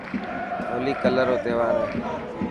هولي ڪلر رو تهوار هي.